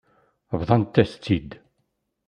Bḍant-as-tt-id.